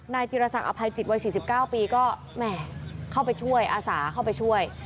จิรษักอภัยจิตวัย๔๙ปีก็แหมเข้าไปช่วยอาสาเข้าไปช่วย